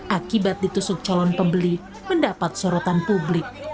akibat ditusuk calon pembeli mendapat sorotan publik